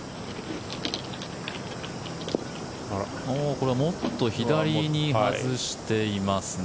これはもっと左に外していますね。